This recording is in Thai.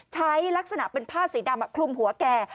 ลักษณะเป็นผ้าสีดำคลุมหัวแก